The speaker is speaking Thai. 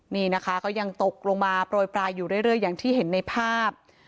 นี่นะคะก็ยังตกลงมาโปรยปลายอยู่เรื่อยอย่างที่เห็นในภาพ